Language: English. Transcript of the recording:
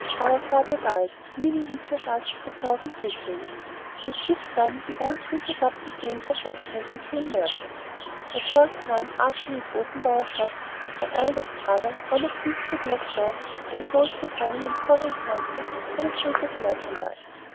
Our father died, leaving us each a thousand sequins. With this sum we all three took up the same profession, and became merchants. A short time after we had opened our shops, my eldest brother, one of these two dogs, resolved to travel in foreign countries for the sake of merchandise.